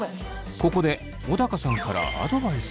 ここで小高さんからアドバイス。